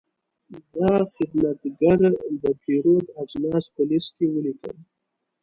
دا خدمتګر د پیرود اجناس په لېست کې ولیکل.